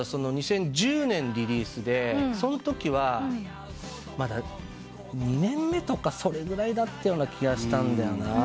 ２０１０年リリースでそのときはまだ２年目とかそれぐらいだったような気がしたんだよな。